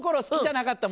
そうか。